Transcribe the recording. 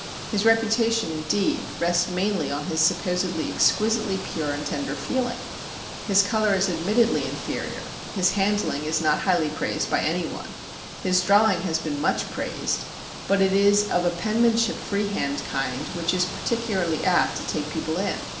His reputation, indeed, rests mainly on his supposed exquisitely pure and tender feeling. His colour is admittedly inferior, his handling is not highly praised by any one, his drawing has been much praised, but it is of a penmanship freehand kind which is particularly apt to take people in.